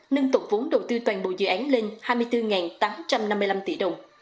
nâng tổng vốn đầu tư toàn bộ dự án lên hai mươi bốn tám trăm năm mươi năm tỷ đồng